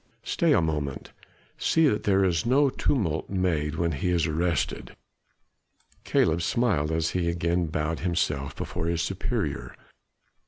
Stay a moment see that there is no tumult made when he is arrested." Caleb smiled as he again bowed himself before his superior.